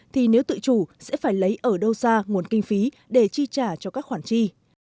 thì nếu tự chủ sẽ phải lấy ở đâu xa nguồn kinh phí để chi trả cho các khoản chi